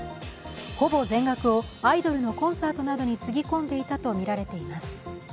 ほぼ全額をアイドルのコンサートなどにつぎ込んでいたとみられています。